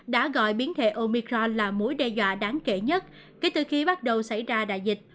đã gọi biến thể omicron là mối đe dọa đáng kể nhất kể từ khi bắt đầu xảy ra đại dịch